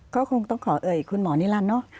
ก็คงต้องขอเอ่ยคุณหมอนิรันดิเนอะ